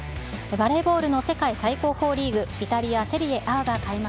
バレーボールの世界最高峰リーグ、イタリア・セリエＡが開幕。